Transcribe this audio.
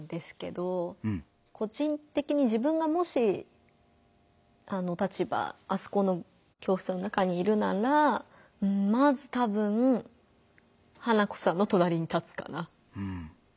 個人的に自分がもしあの立場あそこの教室の中にいるならまずたぶん花子さんのとなりに立つかな。